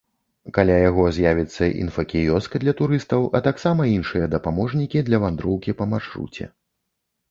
Каля яго з'явіцца інфакіёск для турыстаў, а таксама іншыя дапаможнікі для вандроўкі па маршруце.